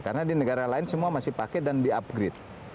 karena di negara lain semua masih pakai dan diupgrade